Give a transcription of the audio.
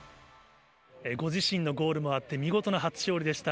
ご自身のゴールもあって、見事な初勝利でした。